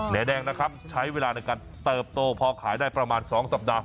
แดงนะครับใช้เวลาในการเติบโตพอขายได้ประมาณ๒สัปดาห